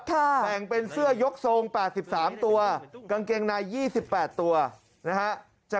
แบ่งเป็นเสื้อยกทรง๘๓ตัวกางเกงใน๒๘ตัวนะฮะ